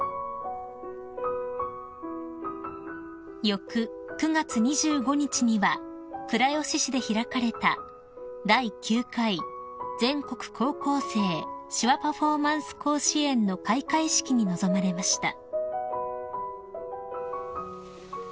［翌９月２５日には倉吉市で開かれた第９回全国高校生手話パフォーマンス甲子園の開会式に臨まれました］